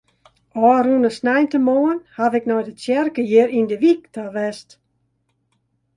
Ofrûne sneintemoarn haw ik nei de tsjerke hjir yn de wyk ta west.